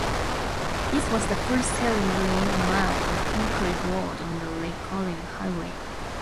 This was the first "Seedling Mile" of concrete road on the Lincoln Highway.